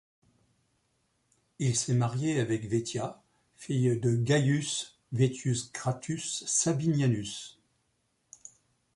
Il s'est marié avec Vettia, fille de Gaius Vettius Gratus Sabinianus, fl.